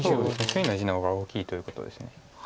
隅の地の方が大きいということです。